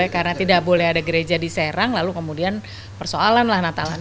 karena tidak boleh ada gereja di serang lalu kemudian persoalan lah natalannya